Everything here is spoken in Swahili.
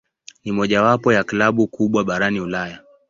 Ni mojawapo ya klabu kubwa barani Ulaya.